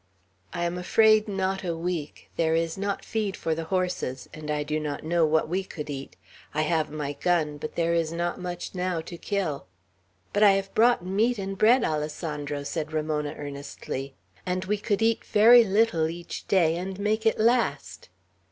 "I am afraid not a week. There is not feed for the horses; and I do not know what we could eat. I have my gun, but there is not much, now, to kill." "But I have brought meat and bread, Alessandro," said Ramona, earnestly, "and we could eat very little each day, and make it last!"